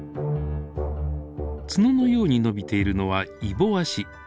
角のように伸びているのはいぼ足。